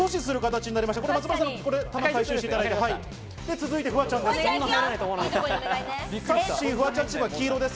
続いてフワちゃんです。